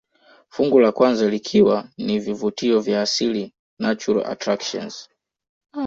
Fungu la kwanza likiwa ni vivutio vya asili natural attractions